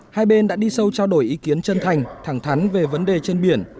hai bên đã đi sâu trao đổi ý kiến chân thành thẳng thắn về vấn đề trên biển